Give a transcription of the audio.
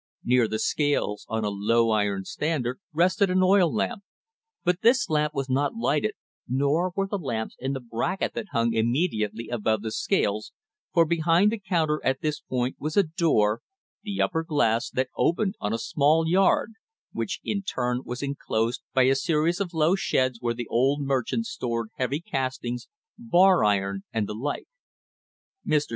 Near the scales on a low iron standard rested an oil lamp, but this lamp was not lighted nor were the lamps in the bracket that hung immediately above the scales, for behind the counter at this point was a door, the upper half glass, that opened on a small yard which, in turn, was inclosed by a series of low sheds where the old merchant stored heavy castings, bar iron, and the like. Mr.